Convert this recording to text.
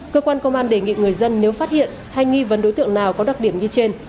cơ quan công an đề nghị người dân nếu phát hiện hay nghi vấn đối tượng nào có đặc điểm như trên